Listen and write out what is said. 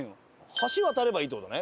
橋渡ればいいって事ね？